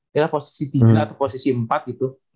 adalah posisi tiga atau posisi empat gitu